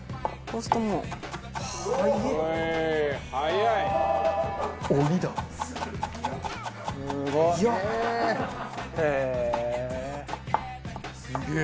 すげえ！